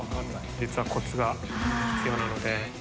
実はコツが必要なので。